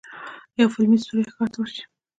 یو فلمي ستوری ښار ته ورشي.